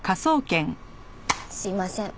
すいません。